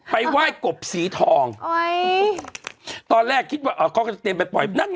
ไปไหว้กบสีทองตอนแรกคิดว่าเขาก็จะเตรียมไปปล่อยนั่นไง